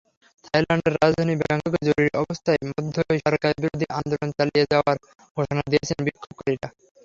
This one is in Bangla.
থাইল্যান্ডের রাজধানী ব্যাংককে জরুরি অবস্থার মধ্যেই সরকারবিরোধী আন্দোলন চালিয়ে যাওয়ার ঘোষণা দিয়েছেন বিক্ষোভকারীরা।